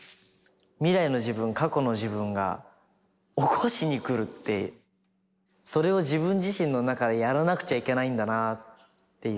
未来の自分過去の自分が起こしに来るってそれを自分自身の中でやらなくちゃいけないんだなっていう。